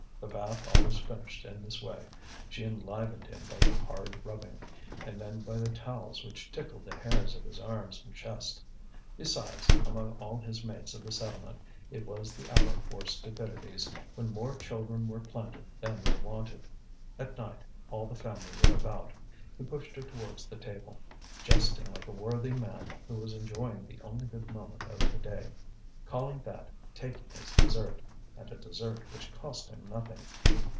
The bath always finished in this way: she enlivened him by the hard rubbing, and then by the towels which tickled the hairs of his arms and chest. Besides, among all his mates of the settlement it was the hour for stupidities, when more children were planted than were wanted. At night all the family were about. He pushed her towards the table, jesting like a worthy man who was enjoying the only good moment of the day, calling that taking his dessert, and a dessert which cost him nothing.